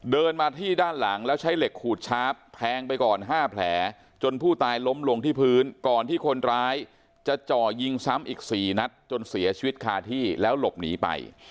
เดินมาที่ด้านหลังแล้วใช้เหล็กขูดชาร์ฟแทงไปก่อน๕แผลจนผู้ตายล้มลงที่พื้นก่อนที่คนร้ายจะจ่อยิงซ้ำอีก๔นัดจนเสียชีวิตคาที่แล้วหลบหนีไป